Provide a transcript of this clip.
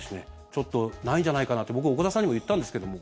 ちょっとないんじゃないかなって僕、岡田さんにも言ったんですけども。